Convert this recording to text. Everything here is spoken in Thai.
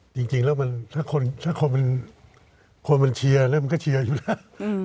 จริงแล้วถ้าคนมันเชียร์แล้วมันก็เชียร์อยู่แล้ว